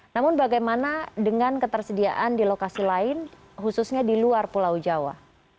namun bagaimana dengan ketersediaan di lokasi lain khususnya di luar pulau jawa